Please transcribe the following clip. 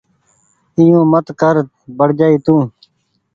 ائيو مت ڪر پڙجآئي تو۔